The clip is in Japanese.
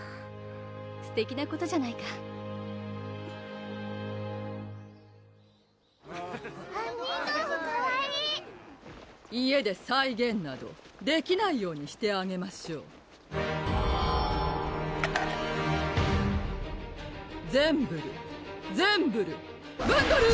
すてきなことじゃないか・杏仁豆腐かわいい・家で再現などできないようにしてあげましょうゼンブルゼンブルブンドル！